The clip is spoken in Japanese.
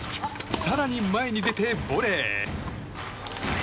更に前に出てボレー。